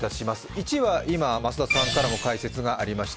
１位は今、増田さんからも解説がありました